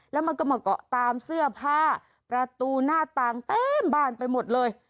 แล้วมันก็มาเกาะตามเสื้อผ้าประตูหน้าต่างเต็มบ้านไปหมดเลย